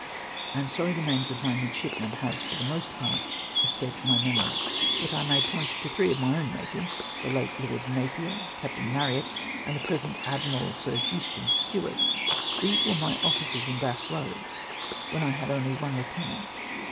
I am sorry the names of my midshipmen have for the most part escaped my memory, but I may point to three of my OAvn making — the late Lord Napier, Captain Marryat, and the present gallant Admiral Sii^ Houston SteAvart. These Avere my officers in Basque Eoads, Avhere I had only one lieutenant.